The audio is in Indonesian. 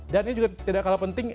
ini juga tidak kalah penting